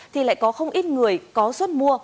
thì lại có không ít người có suất mua